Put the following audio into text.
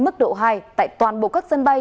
mức độ hai tại toàn bộ các sân bay